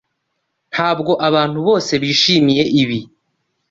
Ntabwo abantu bose bishimiye ibi.